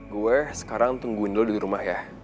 gue sekarang tungguin dulu di rumah ya